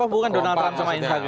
oh bukan donald trump sama instagram